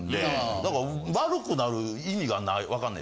だから悪くなる意味がない。